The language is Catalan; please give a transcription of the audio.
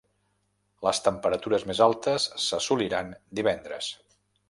Les temperatures més altes s'assoliran divendres.